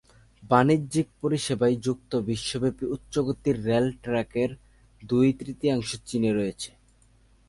বাণিজ্যিক পরিষেবায় যুক্ত বিশ্বব্যাপী উচ্চ গতির রেল ট্র্যাকের দুই-তৃতীয়াংশ চীনে রয়েছে।